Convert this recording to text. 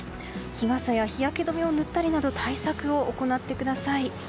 日傘や日焼け止めを塗ったりなど対策を行ってください。